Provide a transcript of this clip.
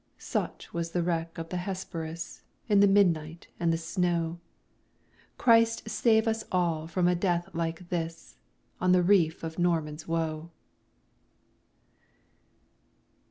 Such was the wreck of the Hesperus, In the midnight and the snow! Christ save us all from a death like this, On the reef of Norman's Woe!